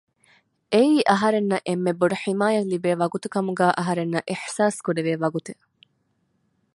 އެއީ އަހަރެންނަށް އެންމެ ބޮޑު ޙިމާޔަތް ލިބޭ ވަގުތު ކަމުގައި އަހަރެންނަށް އިޙްސާސް ކުރެވޭ ވަގުތެއް